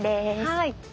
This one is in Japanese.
はい。